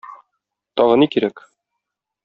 Тагы ни кирәк?